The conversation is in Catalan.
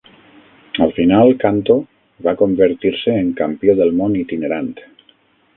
Al final Canto va convertir-se en campió del món itinerant.